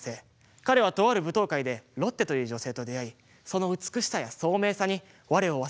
彼はとある舞踏会でロッテという女性と出会いその美しさやそうめいさに我を忘れて恋をします。